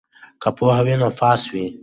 که پوهه وي نو پاس وي.